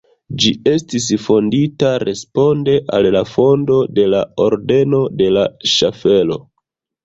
Ĝi estis fondita responde al la fondo de la ordeno de la ŝaffelo.